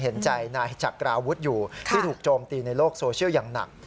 เห็นใจนายจักราวุฒิอยู่ที่ถูกโจมตีในโลกโซเชียลอย่างหนัก